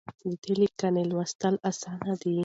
دا ليکنه لوستل اسانه ده.